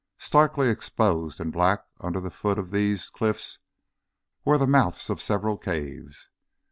Starkly exposed and black under the foot of these cliffs were the mouths of several caves.